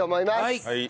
はい。